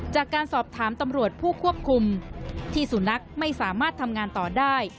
จากการสอบถามตำรวจผู้ควบคุมที่สุนัขไม่สามารถทำงานต่อได้